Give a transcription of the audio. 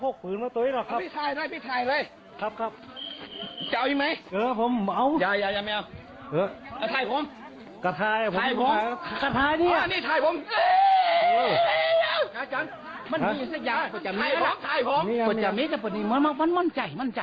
ก็จะเมียแหละมูนิมันยังไม่ใจเขา